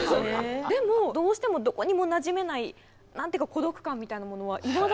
でもどうしてもどこにもなじめない何て言うか孤独感みたいなものはいまだに覚えてるんですよね。